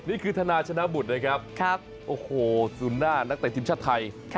นี่คือธนาชนะบุตรนะครับโอ้โหสุนหน้านักแต่ทีมชาติไทย